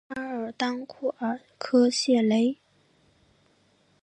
阿尔当库尔科谢雷。